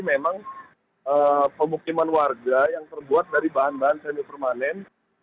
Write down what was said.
memang pemukiman warga yang terbuat dari bahan bahan semi permanen